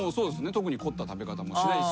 特に凝った食べ方もしないです。